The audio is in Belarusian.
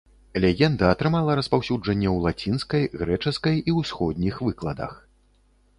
Легенда атрымала распаўсюджанне у лацінскай, грэчаскай і ўсходніх выкладах.